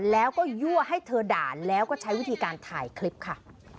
แล้วก็ยั่วให้เธอด่าแล้วก็ใช้วิธีการถ่ายคลิปค่ะ